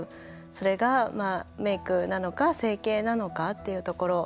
それがメークなのか整形なのかっていうところ。